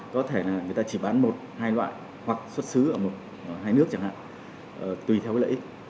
có thể là người ta chỉ bán một hai loại hoặc xuất xứ ở một hai nước chẳng hạn tùy theo lợi ích